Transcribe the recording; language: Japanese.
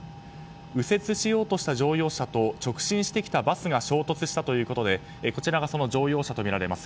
右折しようとした乗用車と直進してきたバスが衝突したということでこちらがその乗用車とみられます。